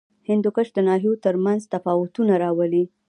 هندوکش د ناحیو ترمنځ تفاوتونه راولي.